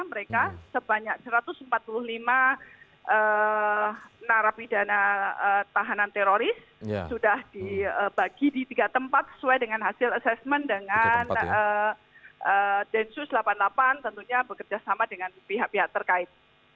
mereka sebanyak satu ratus empat puluh lima narapidana tahanan teroris sudah dibagi di tiga tempat sesuai dengan hasil asesmen dengan densus delapan puluh delapan tentunya bekerjasama dengan pihak pihak terkait